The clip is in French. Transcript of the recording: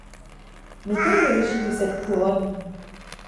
Mais quelle est l’origine de cette couronne ?